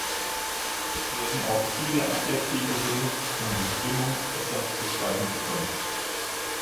Es werden auch viele Adjektive benutzt, um die Stimmung besser beschreiben zu können.